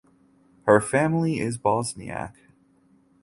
Her family is Bosniak.